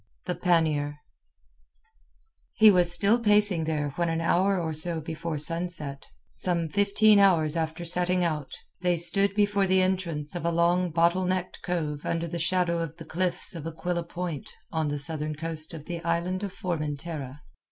THE PANNIER He was still pacing there when an hour or so before sunset—some fifteen hours after setting out—they stood before the entrance of a long bottle necked cove under the shadow of the cliffs of Aquila Point on the southern coast of the Island of Formentera.